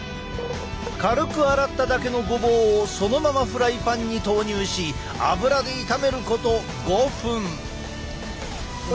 軽く洗っただけのごぼうをそのままフライパンに投入し油で炒めること５分。